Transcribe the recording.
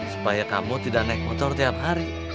supaya kamu tidak naik motor tiap hari